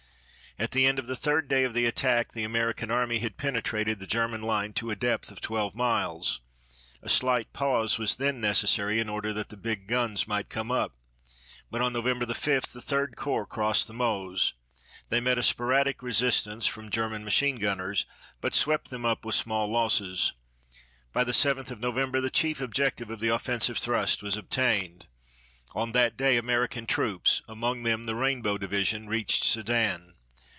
At the end of the third day of the attack the American Army had penetrated the German line to a depth of twelve miles. A slight pause was then necessary in order that the big guns might come up, but on November 5 the Third Corps crossed the Meuse. They met a sporadic resistance from German machine gunners but swept them up with small losses. By the 7th of November the chief objective of the offensive thrust was obtained. On that day American troops, among them the Rainbow Division, reached Sedan.